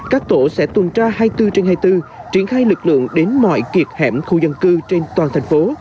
các tổ sẽ tuần tra hai mươi bốn trên hai mươi bốn triển khai lực lượng đến mọi kiệt hẻm khu dân cư trên toàn thành phố